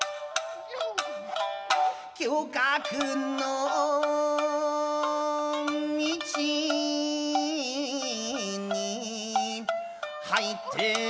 「侠客の道に入って」